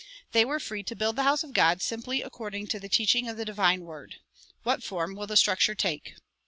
They were free to build the house of God simply according to the teaching of the divine Word. What form will the structure take?